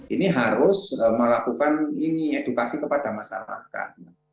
ini harus melakukan ini edukasi kepada masyarakat